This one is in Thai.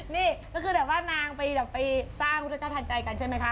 นี่ก็คือแบบว่านางไปสร้างพุทธเจ้าทันใจกันใช่ไหมคะ